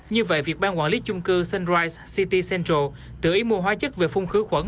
như vậy việc ban quản lý chung cư sunrise ct central tự ý mua hóa chất về phun khử khuẩn